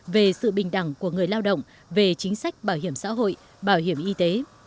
về sự bình đẳng của người lao động về chính sách bảo hiểm xã hội bảo hiểm y tế